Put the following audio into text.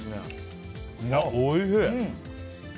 おいしい！